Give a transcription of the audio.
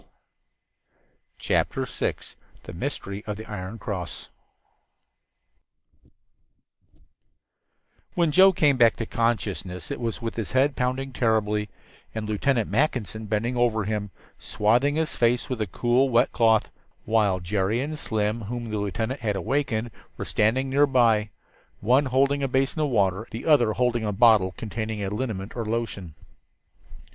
] CHAPTER VI THE MYSTERY OF THE IRON CROSS When Joe came back to consciousness it was with his head pounding terribly, and Lieutenant Mackinson bending over him, swathing his face with a cool wet cloth, while Jerry and Slim, whom the lieutenant had wakened, were standing nearby, one holding a basin of water, the other a bottle containing a liniment or lotion.